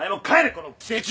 この寄生虫！